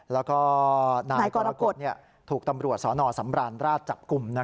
แล้วก็นายกรกฎถูกตำรวจสนสำราญราชจับกลุ่ม